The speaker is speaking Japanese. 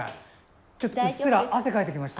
ちょっとうっすら汗かいてきました。